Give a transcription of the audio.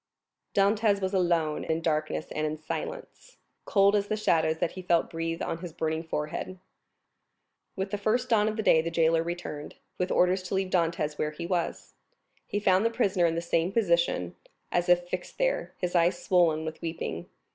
Dantès was alone in darkness and in silence—cold as the shadows that he felt breathe on his burning forehead. With the first dawn of day the jailer returned, with orders to leave Dantès where he was. He found the prisoner in the same position, as if fixed there, his eyes swollen with weeping.